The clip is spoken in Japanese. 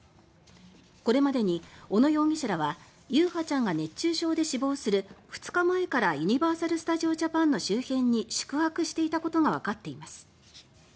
これまでに小野容疑者らは優陽ちゃんが熱中症で死亡する２日前からユニバーサル・スタジオ・ジャパンの周辺に宿泊していたことがわかっています。